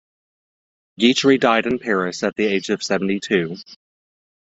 Guitry died in Paris at the age of seventy-two.